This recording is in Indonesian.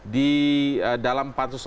di dalam pansus